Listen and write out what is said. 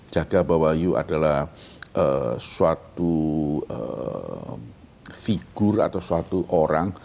jaga bahwa you adalah suatu figur atau suatu orang